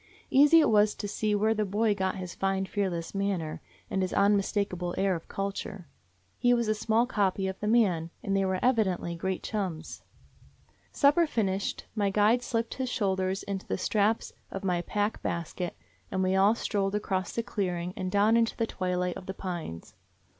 Easy it was to see where the boy 199 DOG HEROES OF MANY LANDS got his fine, fearless manner, and his unmis takable air of culture. He was a smaller copy of the man, and they were evidently great chums. Supper finished, my guide slipped his shoulders into the straps of my pack basket, and we all strolled across the clearing and down into the twilight of the pines.